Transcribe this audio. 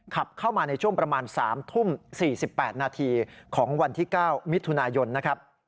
ขับเข้ามาในช่วงประมาณ๓ทุ่ม๔๘นาทีของวันที่๙มิถุนายนนะครับ